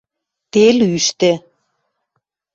Тел ӱштӹ